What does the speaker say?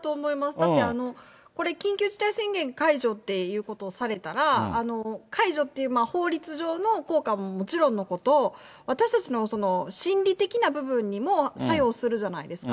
だってこれ、緊急事態宣言解除っていうことをされたら、解除っていう法律上の効果ももちろんのこと、私たちの心理的な部分にも作用するじゃないですか。